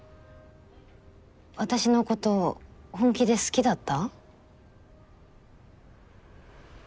私のこと本気で好きだった？